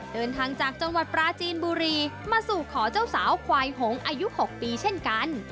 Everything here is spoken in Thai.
เดินทางจากจังหวัดปราจีนบุรีมาสู่ขอเจ้าสาวควายหงอายุ๖ปีเช่นกัน